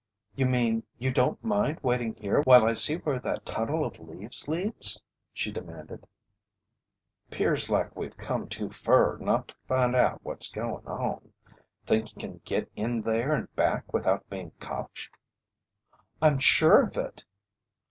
"You mean you don't mind waiting here while I see where that tunnel of leaves leads?" she demanded. "'Pears like we've come too fur not to find out what's goin' on. Think ye can git in there and back without being cotched?" "I'm sure of it!"